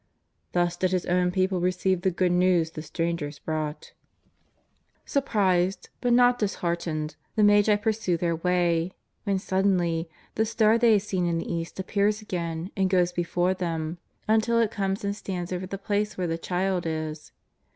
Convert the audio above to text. Thus did His own people receive the good news the strangers brought. Surprised, but not disheartened, the ^^fagi pursue their way, when, suddenly, the star they had seen in the East appears again and goes before them until it comes JESTJS OF NAZAEETH. 81 and stands over the place where the Child is.